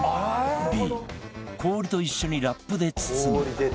Ｂ 氷と一緒にラップで包む